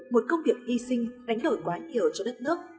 một công việc y sinh đánh đổi quá nhiều cho đất nước